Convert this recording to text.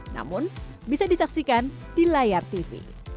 namun bisa disaksikan di layar tv